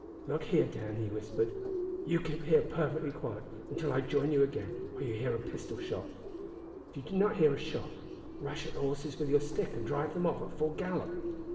"Look here, Dan," he whispered, "you keep here perfectly quiet until I join you again or you hear a pistol shot. If you do hear a shot, rush at the horses with your stick and drive them off at full gallop.